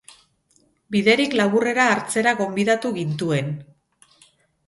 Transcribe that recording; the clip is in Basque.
Biderik laburrera hartzera gonbidatu gintuen